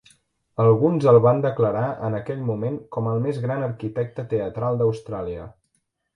Alguns el van declarar en aquell moment com el més gran arquitecte teatral d'Austràlia.